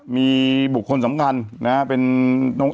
แต่หนูจะเอากับน้องเขามาแต่ว่า